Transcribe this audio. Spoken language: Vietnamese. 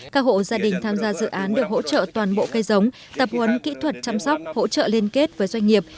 các hộ gia đình tham gia dự án được hỗ trợ toàn bộ cây giống tập huấn kỹ thuật chăm sóc hỗ trợ liên kết với doanh nghiệp